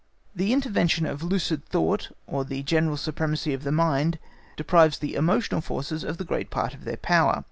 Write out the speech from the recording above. The intervention of lucid thought or the general supremacy of mind deprives the emotional forces of a great part of their power.